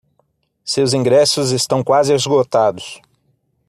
Seus ingressos estão quase esgotados.